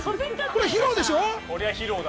これ披露でしょ？